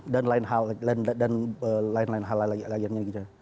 dan lain hal lainnya gitu